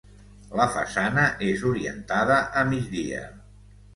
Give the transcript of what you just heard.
La façana és orientada a migdia.